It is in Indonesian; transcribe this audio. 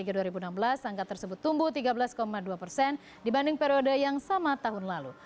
angka tersebut tumbuh tiga belas dua persen dibanding periode yang sama tahun lalu